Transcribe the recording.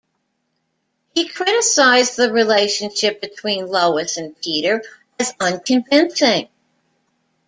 He criticized the relationship between Lois and Peter as unconvincing.